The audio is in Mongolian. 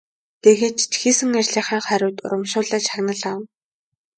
Тэгээд ч хийсэн ажлынхаа хариуд урамшуулал шагнал авна.